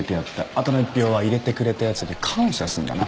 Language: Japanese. あとの１票は入れてくれたやつに感謝すんだな。